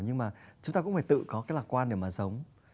nhưng mà chúng ta cũng phải tự có cái lạc quan để mà sống